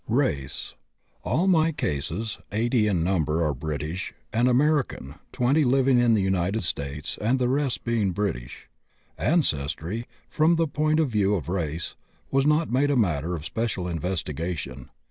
RACE. All my cases, 80 in number, are British and American, 20 living in the United States and the rest being British. Ancestry, from the point of view of race, was not made a matter of special investigation.